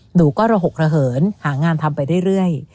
หนูก็ระหกระเหินหางานทำไปเรื่อย